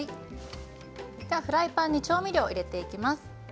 フライパンに調味料を入れていきます。